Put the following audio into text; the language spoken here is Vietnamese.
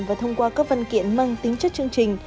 và thông qua các văn kiện mang tính chất chương trình